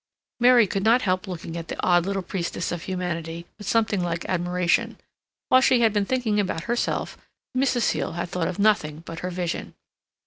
Mary could not help looking at the odd little priestess of humanity with something like admiration. While she had been thinking about herself, Mrs. Seal had thought of nothing but her vision.